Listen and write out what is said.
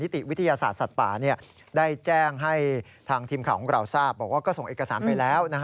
ที่ต้องส่งให้อัยการต่อนะครับ